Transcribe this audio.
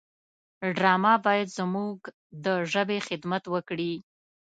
ډرامه باید زموږ د ژبې خدمت وکړي